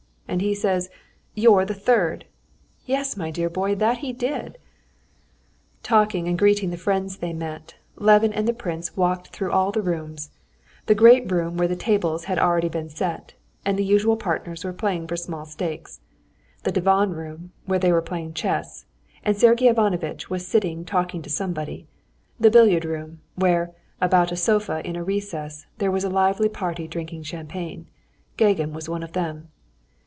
And he says, 'You're the third.' Yes, my dear boy, that he did!" Talking and greeting the friends they met, Levin and the prince walked through all the rooms: the great room where tables had already been set, and the usual partners were playing for small stakes; the divan room, where they were playing chess, and Sergey Ivanovitch was sitting talking to somebody; the billiard room, where, about a sofa in a recess, there was a lively party drinking champagne—Gagin was one of them.